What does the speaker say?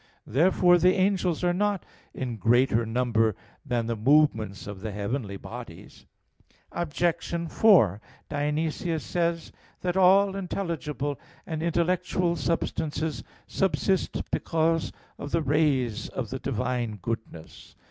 Therefore the angels are not in greater number than the movements of the heavenly bodies. Obj. 4: Dionysius says (Div. Nom. iv) that "all intelligible and intellectual substances subsist because of the rays of the divine goodness."